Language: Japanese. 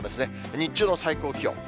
日中の最高気温。